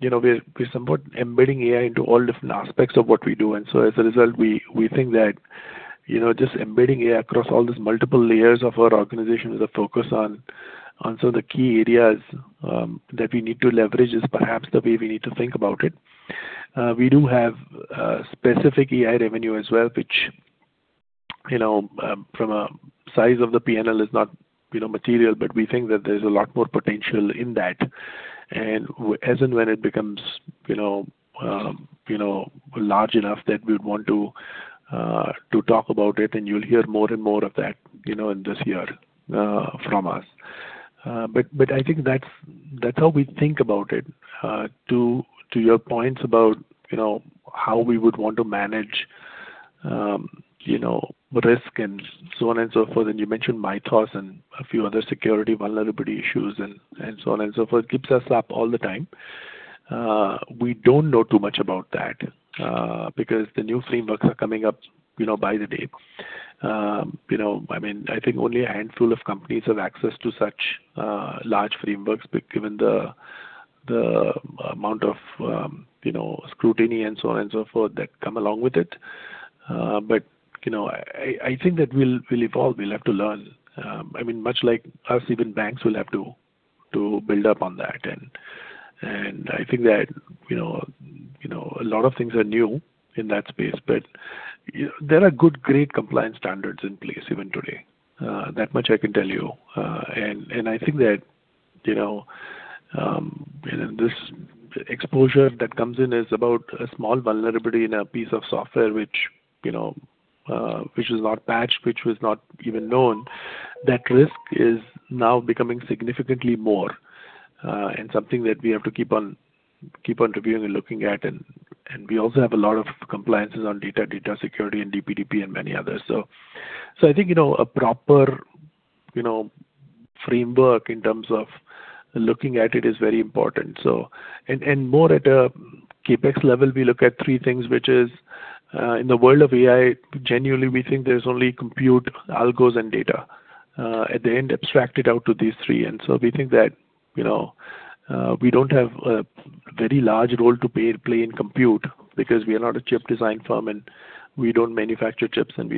We are somewhat embedding AI into all different aspects of what we do. As a result, we think that just embedding AI across all these multiple layers of our organization with a focus on some of the key areas that we need to leverage is perhaps the way we need to think about it. We do have specific AI revenue as well, which from a size of the P&L is not material, but we think that there's a lot more potential in that. As and when it becomes large enough that we'd want to talk about it, and you'll hear more and more of that in this year from us. I think that's how we think about it. To your points about how we would want to manage risk and so on and so forth, and you mentioned MITRE and a few other security vulnerability issues and so on and so forth, keeps us up all the time. We don't know too much about that, because the new frameworks are coming up by the day. I think only a handful of companies have access to such large frameworks, given the amount of scrutiny and so on and so forth that come along with it. I think that we'll evolve. We'll have to learn. Much like us, even banks will have to build up on that. I think that a lot of things are new in that space, but there are good, great compliance standards in place even today. That much I can tell you. I think that this exposure that comes in is about a small vulnerability in a piece of software which was not patched, which was not even known. That risk is now becoming significantly more, and something that we have to keep on reviewing and looking at. We also have a lot of compliances on data security, and DPDP and many others. I think a proper framework in terms of looking at it is very important. More at a CapEx level, we look at three things, which is, in the world of AI, genuinely, we think there's only compute, algos, and data. At the end, abstract it out to these three. We think that we don't have a very large role to play in compute because we are not a chip design firm and we don't manufacture chips, and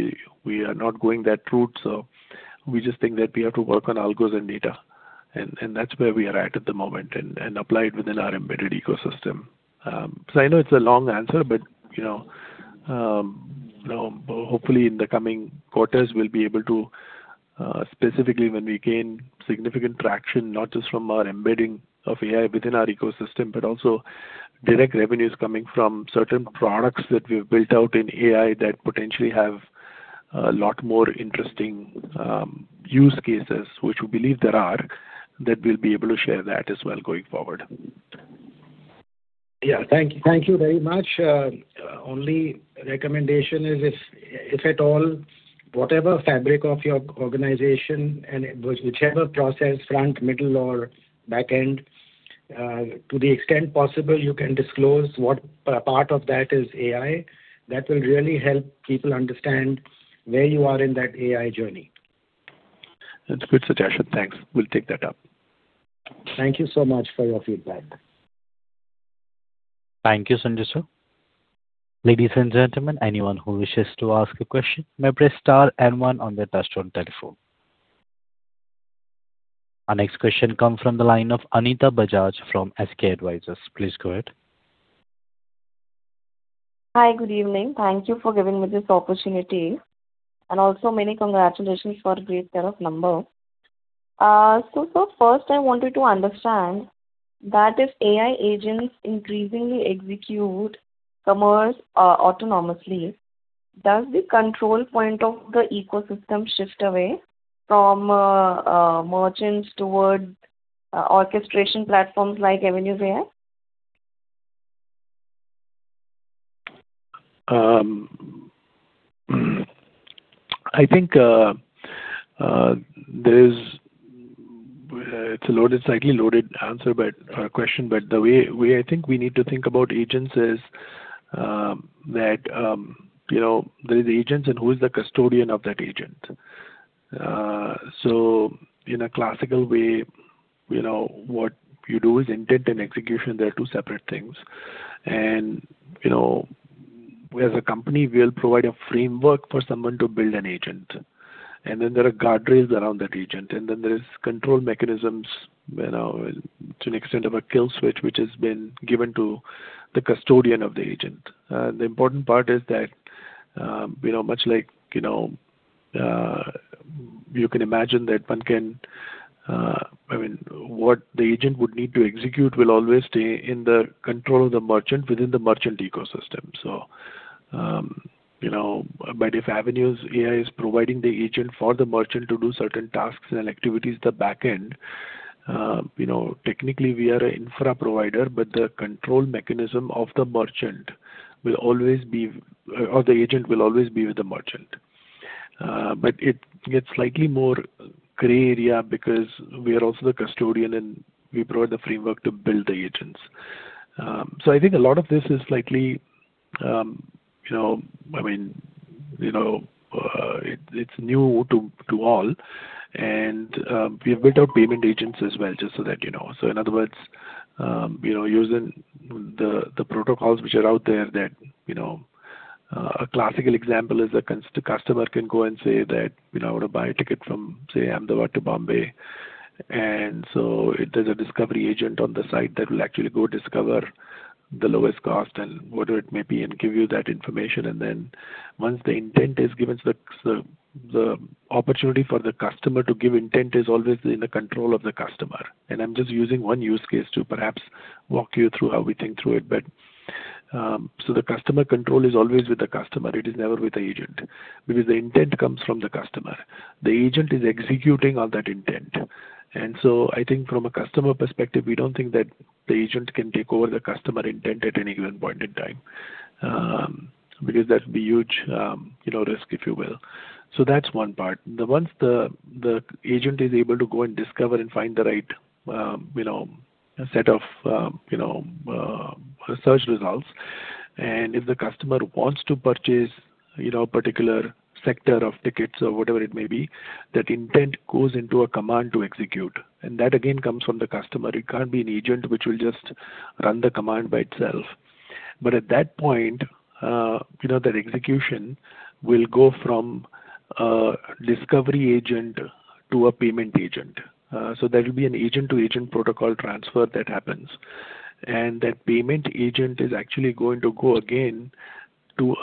we are not going that route. We just think that we have to work on algos and data, and that's where we are at at the moment and apply it within our embedded ecosystem. I know it's a long answer, but hopefully in the coming quarters, we'll be able to specifically when we gain significant traction, not just from our embedding of AI within our ecosystem, but also direct revenues coming from certain products that we've built out in AI that potentially have a lot more interesting use cases, which we believe there are, that we'll be able to share that as well going forward. Thank you very much. Only recommendation is if at all, whatever fabric of your organization and whichever process front, middle, or back end, to the extent possible, you can disclose what part of that is AI. That will really help people understand where you are in that AI journey. That's a good suggestion. Thanks. We'll take that up. Thank you so much for your feedback. Thank you, Sanjay, sir. Ladies and gentlemen, anyone who wishes to ask a question may press star and one on their touch-tone telephone. Our next question come from the line of Anita Bajaj from SK Advisors. Please go ahead. Hi. Good evening. Thank you for giving me this opportunity and also many congratulations for great set of number. First, I wanted to understand that if AI agents increasingly execute commerce autonomously, does the control point of the ecosystem shift away from merchants towards orchestration platforms like AvenuesAI? I think it's a slightly loaded question, but the way I think we need to think about agents is that there is agents and who is the custodian of that agent. So in a clasical way, you know what you do is intended and execution are two different things. We as a company will provide a framework for someone to build an agent. There are guardrails around that agent. There is control mechanisms to an extent of a kill switch, which has been given to the custodian of the agent. The important part is that, much like you can imagine that what the agent would need to execute will always stay in the control of the merchant within the merchant ecosystem. If AvenuesAI is providing the agent for the merchant to do certain tasks and activities, the back end, technically we are an infra provider, but the control mechanism of the agent will always be with the merchant. It gets slightly more gray area because we are also the custodian, and we provide the framework to build the agents. I think a lot of this is slightly. It's new to all, and we have built out payment agents as well, just so that you know. In other words, using the protocols which are out there. A classical example is the customer can go and say that, "I want to buy a ticket from, say, Ahmedabad to Mumbai." There's a discovery agent on the site that will actually go discover the lowest cost and whatever it may be, and give you that information. Once the intent is given, the opportunity for the customer to give intent is always in the control of the customer. I'm just using one use case to perhaps walk you through how we think through it. The customer control is always with the customer. It is never with the agent, because the intent comes from the customer. The agent is executing on that intent. I think from a customer perspective, we don't think that the agent can take over the customer intent at any given point in time, because that's a huge risk, if you will. That's one part. Once the agent is able to go and discover and find the right set of search results, and if the customer wants to purchase a particular sector of tickets or whatever it may be, that intent goes into a command to execute. That again, comes from the customer. It can't be an agent which will just run the command by itself. At that point, that execution will go from a discovery agent to a payment agent. There will be an agent-to-agent protocol transfer that happens. That payment agent is actually going to go again to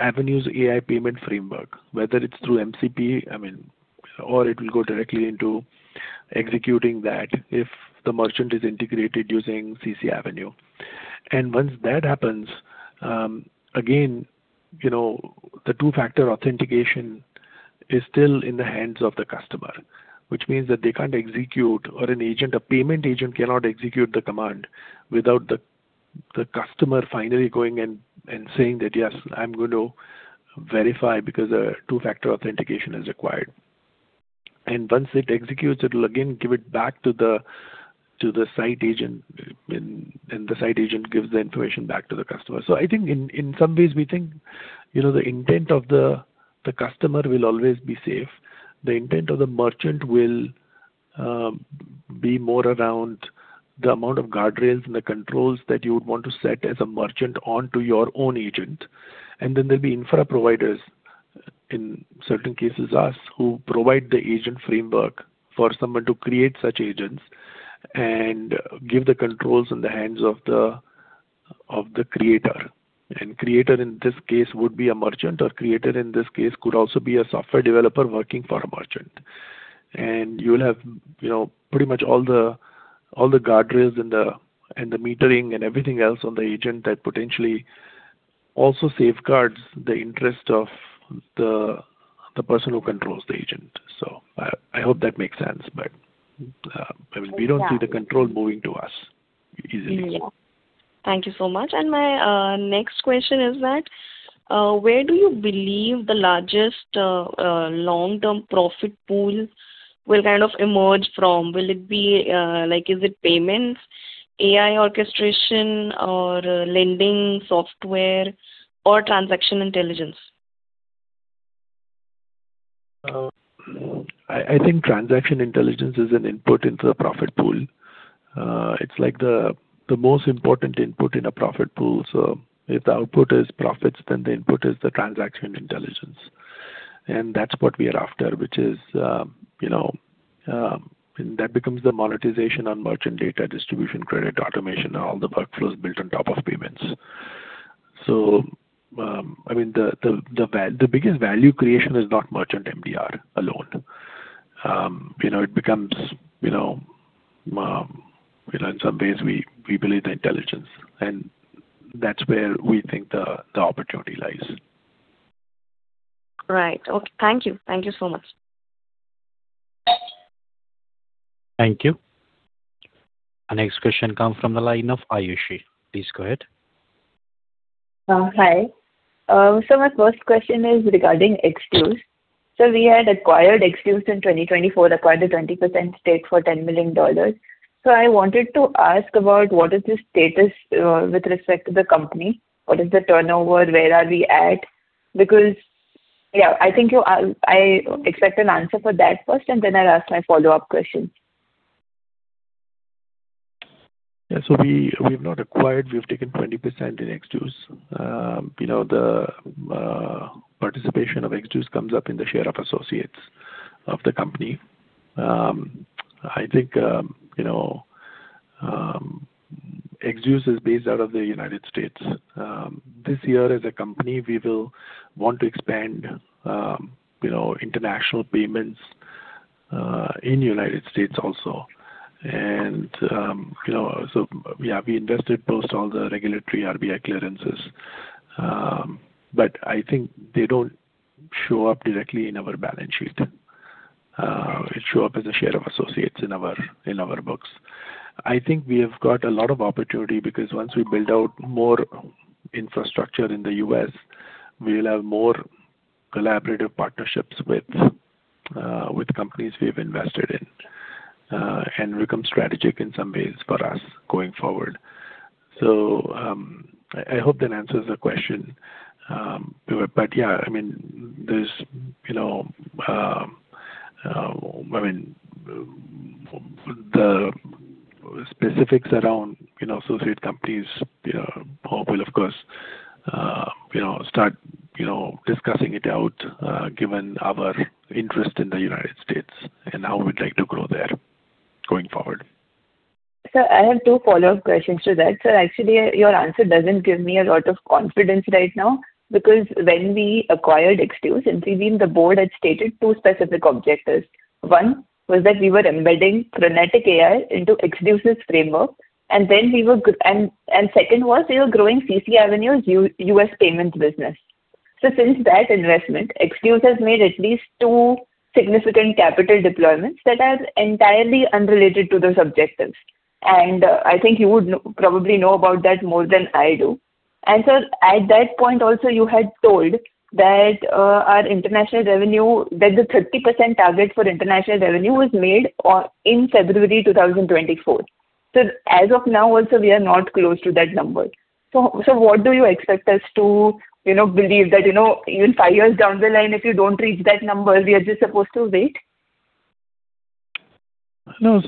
AvenuesAI payment framework, whether it's through MCP, or it will go directly into executing that if the merchant is integrated using CCAvenue. Once that happens, again, the two-factor authentication is still in the hands of the customer. Which means that they can't execute, or a payment agent cannot execute the command without the customer finally going in and saying that, "Yes, I'm going to verify," because a two-factor authentication is required. Once it executes it'll again give it back to the site agent, the site agent gives the information back to the customer. I think in some ways, we think the intent of the customer will always be safe. The intent of the merchant will be more around the amount of guardrails and the controls that you would want to set as a merchant onto your own agent. Then there'll be infra providers, in certain cases us, who provide the agent framework for someone to create such agents and give the controls in the hands of the creator. Creator, in this case, would be a merchant, or creator, in this case, could also be a software developer working for a merchant. You will have pretty much all the guardrails and the metering and everything else on the agent that potentially also safeguards the interest of the person who controls the agent. I hope that makes sense. We don't see the control moving to us easily. Yeah. Thank you so much. My next question is that where do you believe the largest long-term profit pool will kind of emerge from? Is it payments, AI orchestration, or lending software, or transaction intelligence? I think transaction intelligence is an input into the profit pool. It's like the most important input in a profit pool. If the output is profits, then the input is the transaction intelligence. That's what we are after, that becomes the monetization on merchant data distribution, credit automation, all the workflows built on top of payments. The biggest value creation is not merchant MDR alone. In some ways, we believe the intelligence, and that's where we think the opportunity lies. Right. Okay. Thank you. Thank you so much. Thank you. Our next question come from the line of Ayushi. Please go ahead. Hi. My first question is regarding XDuce. We had acquired XDuce in 2024, acquired a 20% stake for $10 million. I wanted to ask about what is the status with respect to the company. What is the turnover? Where are we at? I expect an answer for that first, and then I'll ask my follow-up question. Yeah. We've not acquired, we've taken 20% in XDuce. The participation of XDuce comes up in the share of associates of the company. XDuce is based out of the U.S. This year as a company, we will want to expand international payments in the United States also. We invested post all the regulatory RBI clearances. They don't show up directly in our balance sheet. It show up as a share of associates in our books. We have got a lot of opportunity because once we build out more infrastructure in the U.S., we'll have more collaborative partnerships with companies we've invested in, and become strategic in some ways for us going forward. I hope that answers the question. Yeah, the specifics around associate companies, hope we'll, of course, start discussing it out, given our interest in the United States and how we'd like to grow there going forward. Sir, I have two follow-up questions to that. Sir, actually, your answer doesn't give me a lot of confidence right now because when we acquired XDuce, and within the board had stated two specific objectives. One was that we were embedding Phronetic.AI into XDuce's framework and second was we were growing CCAvenue's U.S. payments business. Since that investment, XDuce has made at least two significant capital deployments that are entirely unrelated to those objectives. I think you would probably know about that more than I do. Sir, at that point also, you had told that the 30% target for international revenue was made in February 2024. As of now also, we are not close to that number. What do you expect us to believe that, even five years down the line, if you don't reach that number, we are just supposed to wait? No.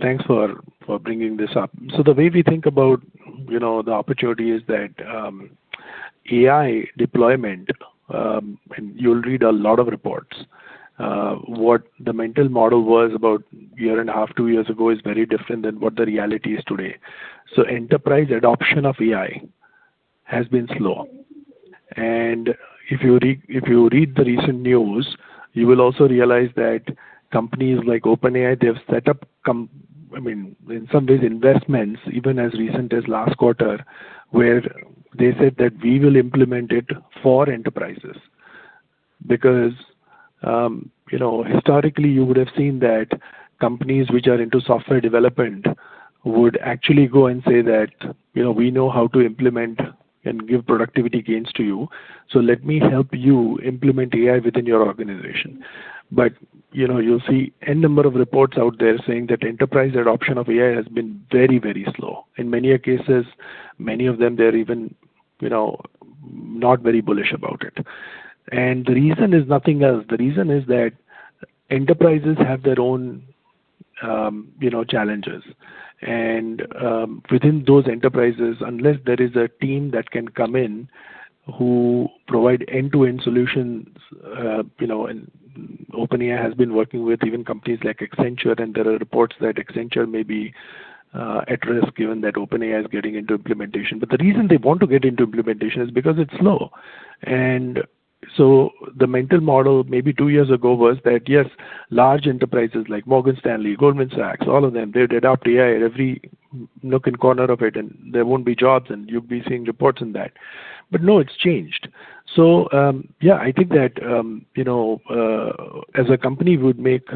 Thanks for bringing this up. The way we think about the opportunity is that AI deployment, and you'll read a lot of reports. What the mental model was about a year and a half, two years ago is very different than what the reality is today. Enterprise adoption of AI has been slow. If you read the recent news, you will also realize that companies like OpenAI, they've set up, in some ways, investments even as recent as last quarter, where they said that we will implement it for enterprises. Because historically, you would've seen that companies which are into software development would actually go and say that, "We know how to implement and give productivity gains to you, so let me help you implement AI within your organization." You'll see N number of reports out there saying that enterprise adoption of AI has been very, very slow. In many cases, many of them, they're even not very bullish about it. The reason is nothing else. The reason is that enterprises have their own challenges. Within those enterprises, unless there is a team that can come in who provide end-to-end solutions, and OpenAI has been working with even companies like Accenture, and there are reports that Accenture may be at risk given that OpenAI is getting into implementation. The reason they want to get into implementation is because it's slow. The mental model maybe two years ago was that, yes, large enterprises like Morgan Stanley, Goldman Sachs, all of them, they'll adopt AI at every nook and corner of it, and there won't be jobs, and you'll be seeing reports on that. No, it's changed. Yeah, I think that as a company we would make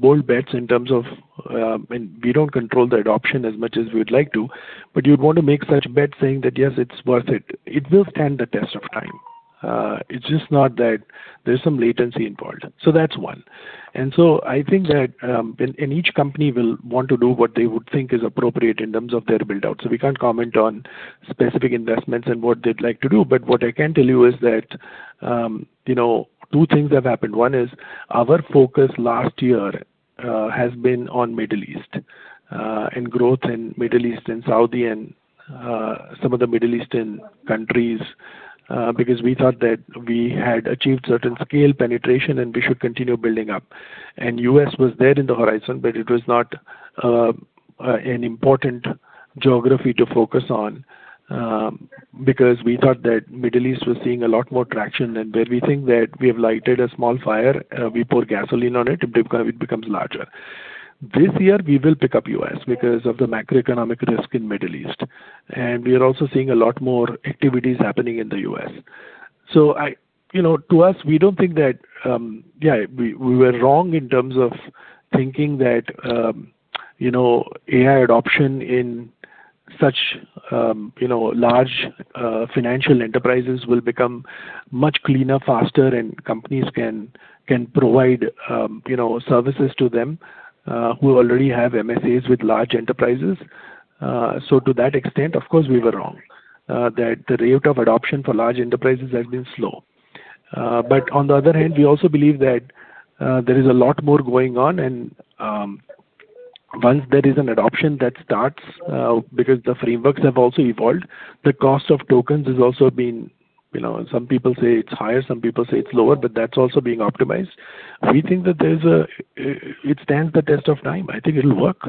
bold bets. We don't control the adoption as much as we'd like to, but you'd want to make such a bet saying that, yes, it's worth it. It will stand the test of time. It's just not that there's some latency involved. That's one. Each company will want to do what they would think is appropriate in terms of their build-out. We can't comment on specific investments and what they'd like to do. What I can tell you is that two things have happened. One is our focus last year has been on Middle East, and growth in Middle East and Saudi and some other Middle Eastern countries, because we thought that we had achieved certain scale penetration and we should continue building up. U.S. was there in the horizon, it was not an important geography to focus on, because we thought that Middle East was seeing a lot more traction than there. We think that we have lighted a small fire, we pour gasoline on it becomes larger. This year, we will pick up U.S. because of the macroeconomic risk in Middle East. We are also seeing a lot more activities happening in the U.S. To us, we don't think that we were wrong in terms of thinking that AI adoption in such large financial enterprises will become much cleaner, faster, and companies can provide services to them who already have MSAs with large enterprises. To that extent, of course, we were wrong. That the rate of adoption for large enterprises has been slow. But on the other hand, we also believe that there is a lot more going on. Once there is an adoption that starts, because the frameworks have also evolved, the cost of tokens has also been, some people say it's higher, some people say it's lower, but that's also being optimized. We think that it stands the test of time. I think it'll work.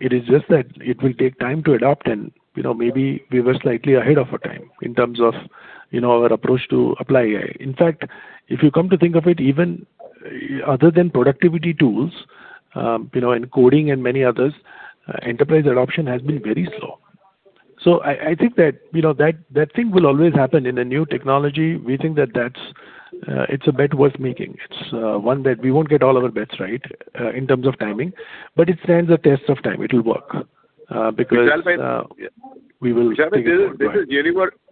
It is just that it will take time to adopt and maybe we were slightly ahead of our time in terms of our approach to apply AI. In fact, if you come to think of it, even other than productivity tools, in coding and many others, enterprise adoption has been very slow. I think that thing will always happen in a new technology. We think that it's a bet worth making. We won't get all of our bets right in terms of timing, but it stands the test of time. It will work.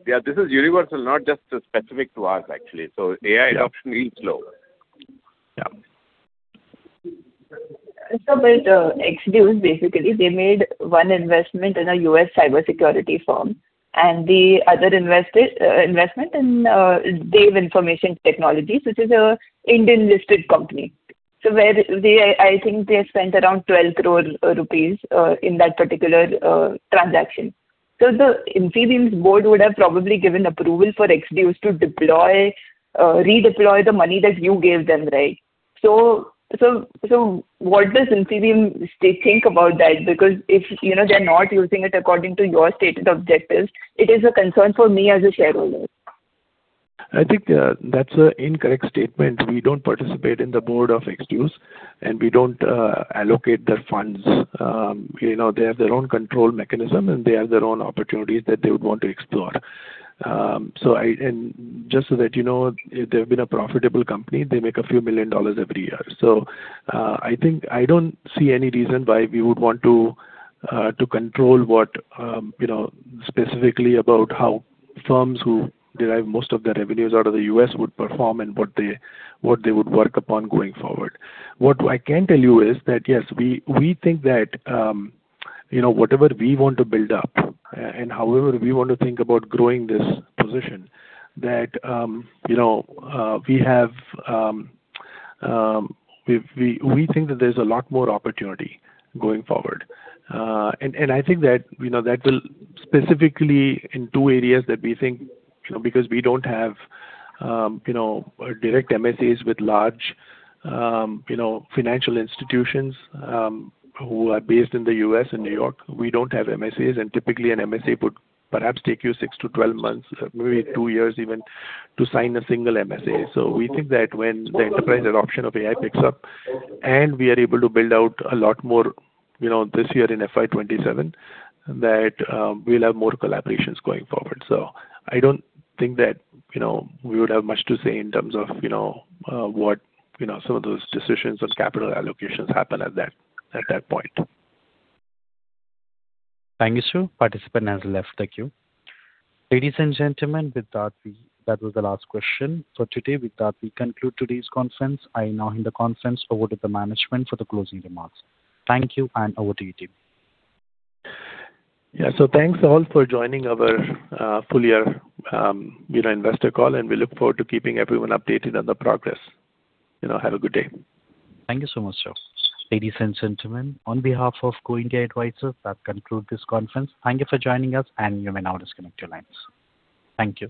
Tthis is universal, not just specific to us, actually. AI adoption is slow. Yeah. XDuce, basically, they made one investment in a U.S. cybersecurity firm, and the other investment in Dev Information Technology, which is a Indian-listed company. They spent around 12 crore rupees in that particular transaction. Avenues' board would have probably given approval for XDuce to redeploy the money that you gave them, right? What does AvenuesAI think about that? Because if they're not using it according to your stated objectives, it is a concern for me as a shareholder. I think that's an incorrect statement. We don't participate in the board of XDuce, and we don't allocate their funds. They have their own control mechanism, and they have their own opportunities that they would want to explore. Just so that you know, they've been a profitable company. They make a few million dollars every year. I don't see any reason why we would want to control what, specifically about how firms who derive most of their revenues out of the U.S. would perform and what they would work upon going forward. What I can tell you is that, yes, we think that whatever we want to build up and however we want to think about growing this position, that we think that there's a lot more opportunity going forward. I think that will specifically in two areas that we think, because we don't have direct MSAs with large financial institutions who are based in the U.S. and New York. We don't have MSAs, and typically an MSA would perhaps take you six to 12 months, maybe two years even, to sign a single MSA. We think that when the enterprise adoption of AI picks up and we are able to build out a lot more this year in FY 2027, that we'll have more collaborations going forward. I don't think that we would have much to say in terms of what some of those decisions on capital allocations happen at that point. Thank you, sir. Participant has left. Thank you. Ladies and gentlemen, that was the last question. For today, with that, we conclude today's conference. I now hand the conference over to the management for the closing remarks. Thank you, and over to you, team. Yeah. Thanks all for joining our full-year investor call, and we look forward to keeping everyone updated on the progress. Have a good day. Thank you so much, sir. Ladies and gentlemen, on behalf of Go India Advisors, that conclude this conference. Thank you for joining us, and you may now disconnect your lines. Thank you.